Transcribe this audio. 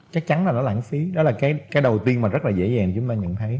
chắc chắn là nó lãng phí đó là cái đầu tiên mà rất là dễ dàng chúng ta nhận thấy